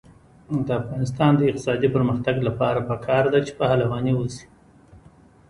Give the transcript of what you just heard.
د افغانستان د اقتصادي پرمختګ لپاره پکار ده چې پهلواني وشي.